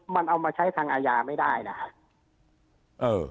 มันเอามาใช้ทางอาญาไม่ได้นะครับ